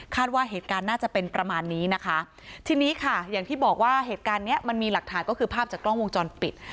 ว่าเหตุการณ์น่าจะเป็นประมาณนี้นะคะทีนี้ค่ะอย่างที่บอกว่าเหตุการณ์เนี้ยมันมีหลักฐานก็คือภาพจากกล้องวงจรปิด